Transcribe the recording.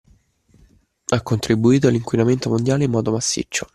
Ha contribuito all'inquinamento mondiale in modo massiccio.